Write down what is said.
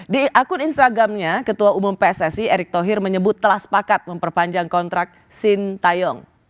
di akun instagramnya ketua umum pssi erick thohir menyebut telah sepakat memperpanjang kontrak sintayong